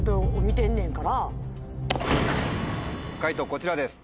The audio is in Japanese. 解答こちらです。